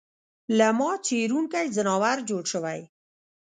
له ما څېرونکی ځناور جوړ شوی